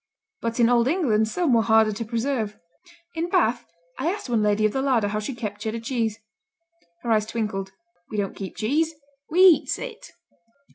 But in old England some were harder to preserve: "In Bath... I asked one lady of the larder how she kept Cheddar cheese. Her eyes twinkled: 'We don't keep cheese; we eats it.'"